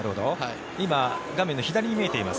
今、画面の左に見えています